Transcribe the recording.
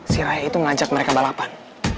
si raya itu ngajak mereka balapan